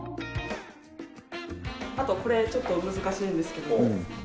あとこれちょっと難しいんですけど。